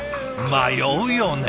迷うよね